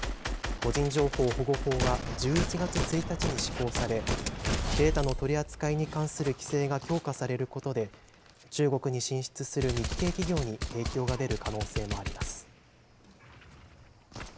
個人情報保護法は１１月１日に施行され、データの取り扱いに関する規制が強化されることで、中国に進出する日系企業に影響が出る可能性もあります。